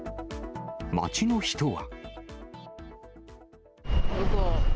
街の人は。